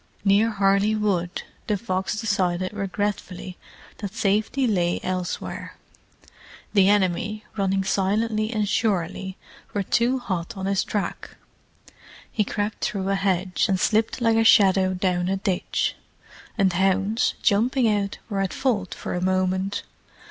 Near Harley Wood the fox decided regretfully that safety lay elsewhere: the enemy, running silently and surely, were too hot on his track. He crept through a hedge, and slipped like a shadow down a ditch; and hounds, jumping out, were at fault for a moment.